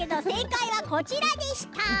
正解はこちらでした。